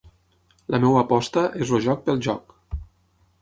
La meva aposta és el joc pel joc.